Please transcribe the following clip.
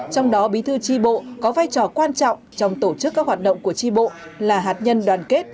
trong đó bí thư tri bộ có vai trò quan trọng trong tổ chức các hoạt động của tri bộ là hạt nhân đoàn kết